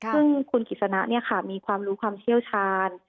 ซึ่งคุณกิจนะเนี่ยค่ะมีความรู้ความเที่ยวชาญ